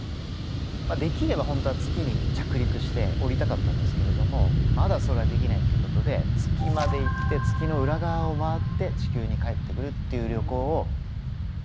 できればホントは月に着陸しておりたかったんですけれどもまだそれはできないっていうことで月まで行って月の裏側を回って地球に帰ってくるっていう旅行を来年ぐらいに実は予定してます。